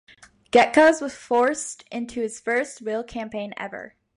Gekas was forced into his first real campaign ever.